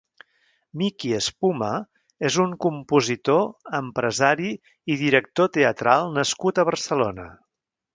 Miki Espuma és un compositor, empresari i director teatral nascut a Barcelona.